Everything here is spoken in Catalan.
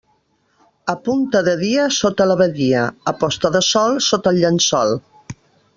A punta de dia sota l'abadia, a posta de sol sota el llençol.